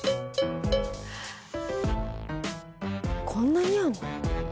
こんなにあるの？